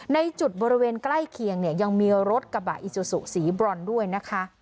ในจุดบริเวณใกล้เคียงเนี่ยยังมีรถกระบะอิซูซูสีบรอนด้วยนะคะ